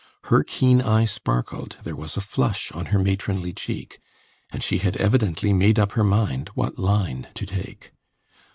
Her keen eye sparkled, there was a flush on her matronly cheek, and she had evidently made up her mind what line to take.